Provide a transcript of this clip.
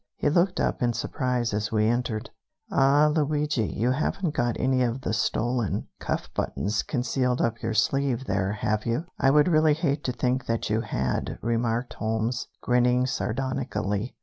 He looked up in surprise as we entered. "Ah, Luigi, you haven't got any of the stolen cuff buttons concealed up your sleeve there, have you? I would really hate to think that you had," remarked Holmes, grinning sardonically.